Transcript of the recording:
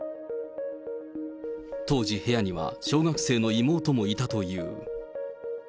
当時、部屋には小学生の妹もいたという。